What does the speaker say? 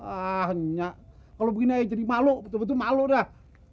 ah nya kalau begini saya jadi malu betul betul malu dah